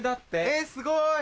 えすごい！